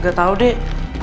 gak tau dek